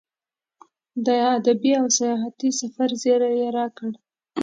د ادبي او سیاحتي سفر زیری یې راکړ.